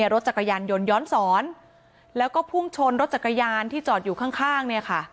รถจักรยานยนต์ย้อนสอนแล้วก็พุ่งชนรถจักรยานที่จอดอยู่ข้างเนี่ยค่ะ